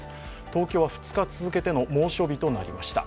東京は２日続けての猛暑日となりました。